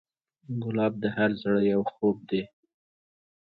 ګلاب د هر زړه یو خوب دی.